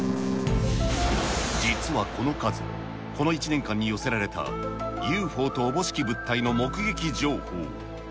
実はこの数、この１年間に寄せられたＵＦＯとおぼしき物体の目撃情報。